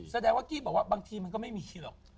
แสดงว่ากี้บอกว่าบางทีมันก็ไม่มีหรอก